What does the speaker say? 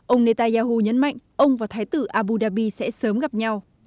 ông netanyahu nhấn mạnh ông và thái tử abu dhabi sẽ sớm gặp nhau